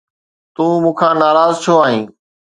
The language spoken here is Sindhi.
تون مون کان ناراض ڇو آهين؟